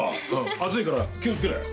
熱いから気をつけろよ。